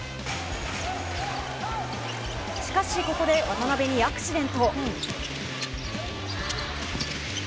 しかし、ここで渡邊にアクシデント。